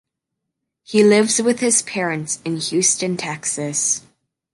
He lives with his parents, in Houston, Texas.